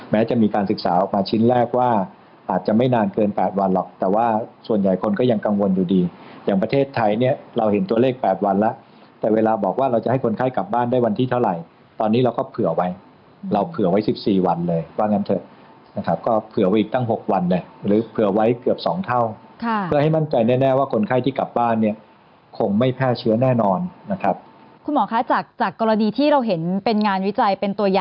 แม้จะมีการศึกษาออกมาชิ้นแรกว่าอาจจะไม่นานเกิน๘วันหรอกแต่ว่าส่วนใหญ่คนก็ยังกังวลอยู่ดีอย่างประเทศไทยเนี่ยเราเห็นตัวเลข๘วันแล้วแต่เวลาบอกว่าเราจะให้คนไข้กลับบ้านได้วันที่เท่าไหร่ตอนนี้เราก็เผื่อไว้เราเผื่อไว้๑๔วันเลยว่างั้นเถอะนะครับก็เผื่อไว้อีกตั้ง๖วันเลยหรือเผื่อไว้